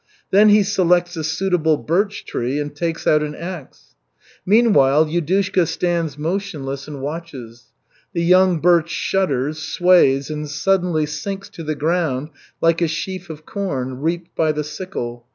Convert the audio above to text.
Then he selects a suitable birch tree, and takes out an axe. Meanwhile Yudushka stands motionless and watches. The young birch shudders, sways and suddenly sinks to the ground like a sheaf of corn, reaped by the sickle.